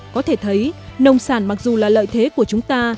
có thể thấy nông sản mặc dù là lợi thế của chúng ta